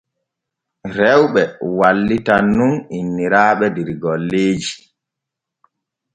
Rewɓe wallitan nun inniraaɓe der golleeji.